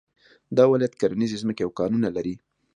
دا ولایت کرنيزې ځمکې او کانونه لري